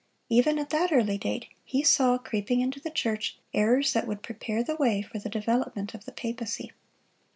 (70) Even at that early date he saw, creeping into the church, errors that would prepare the way for the development of the papacy.